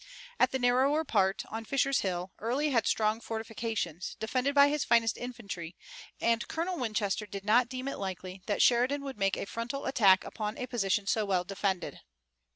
At the narrower part, on Fisher's Hill, Early had strong fortifications, defended by his finest infantry, and Colonel Winchester did not deem it likely that Sheridan would make a frontal attack upon a position so well defended.